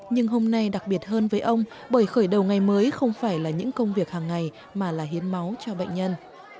nhưng hôm nay đặc biệt hơn với ông bởi khởi đầu ngày mới không phải là những công việc hàng ngày mà là hiến máu cho bệnh nhân